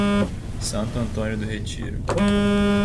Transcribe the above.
Santo Antônio do Retiro